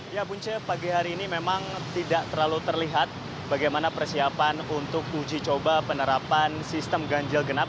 ya bunce pagi hari ini memang tidak terlalu terlihat bagaimana persiapan untuk uji coba penerapan sistem ganjil genap